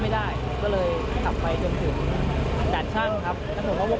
ผมคิดว่าเป็นลมผมก็เลยเกิดประตูประตูไม่ได้ล็อคครับ